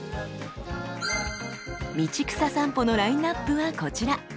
「道草さんぽ」のラインナップはこちら。